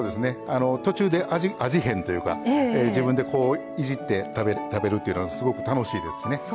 途中で味変というか自分でいじって食べるというのはすごく楽しいですしね。